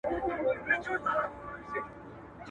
هم ملگری یې قاضي وو هم کوټوال وو.